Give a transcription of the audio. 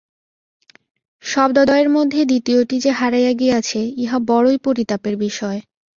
শব্দদ্বয়ের মধ্যে দ্বিতীয়টি যে হারাইয়া গিয়াছে, ইহা বড়ই পরিতাপের বিষয়।